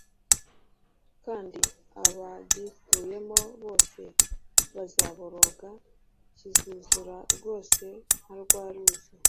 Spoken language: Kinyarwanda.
kandi abagituyemo bose bazaboroga. Kizuzura rwose nka rwa Ruzi